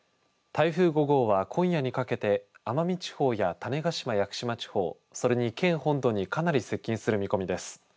台風５号は、今夜にかけて奄美地方や種子島・屋久島地方それに県本土にかなり接近する見込みです。